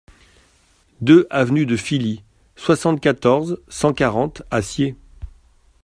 deux avenue de Filly, soixante-quatorze, cent quarante à Sciez